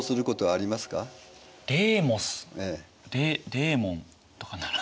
デーモンとかなら。